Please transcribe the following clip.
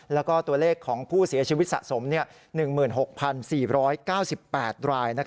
แล้วก็ตัวเลขของผู้เสียชีวิตสะสม๑๖๔๙๘ราย